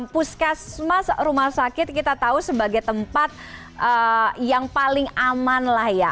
puskesmas rumah sakit kita tahu sebagai tempat yang paling aman lah ya